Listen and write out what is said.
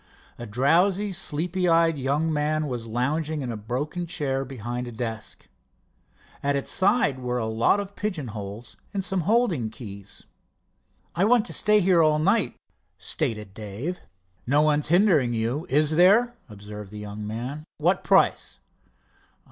A drowsy, sleepy eyed young man was lounging in a broken chair behind a desk. At its side were a lot of pigeon holes, and some holding keys. "I want to stay here all night," stated Dave. "No one's hindering you, is there?" observed the young man. "What price?"